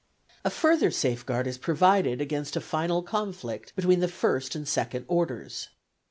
A further safeguard is provided against a final conflict between the first and second orders.